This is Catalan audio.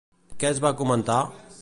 Què es va comentar?